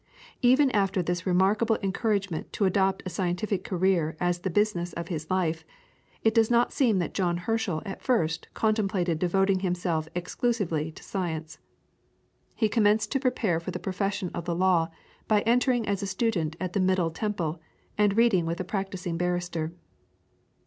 Even after this remarkable encouragement to adopt a scientific career as the business of his life, it does not seem that John Herschel at first contemplated devoting himself exclusively to science. He commenced to prepare for the profession of the Law by entering as a student at the Middle Temple, and reading with a practising barrister.